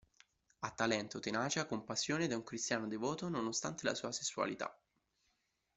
Ha talento, tenacia, compassione ed è un cristiano devoto nonostante la sua sessualità.